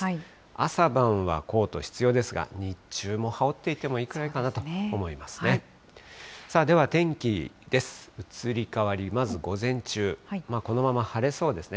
朝晩はコート必要ですが、日中も羽織っていてもいいぐらいかなと思いますね。